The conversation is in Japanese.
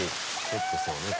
ちょっとそうね